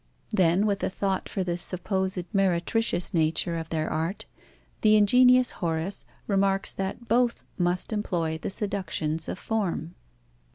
Then, with a thought for the supposed meretricious nature of their art, the ingenious Horace remarks that both must employ the seductions of form.